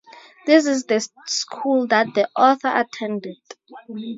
This is the school that the author attended.